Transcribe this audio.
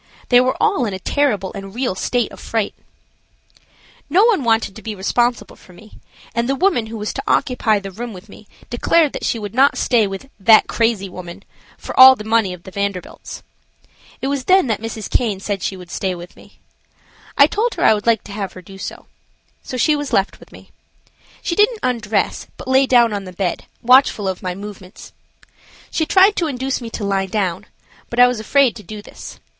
They were all in a terrible and real state of fright. No one wanted to be responsible for me, and the woman who was to occupy the room with me declared that she would not stay with that "crazy woman" for all the money of the Vanderbilts. It was then that Mrs. Caine said she would stay with me. I told her I would like to have her do so. So she was left with me. She didn't undress, but lay down on the bed, watchful of my movements. She tried to induce me to lie down, but I was afraid to do this.